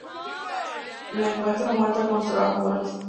La encuentran muerta con sus trabajadores.